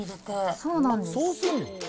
そうなんです。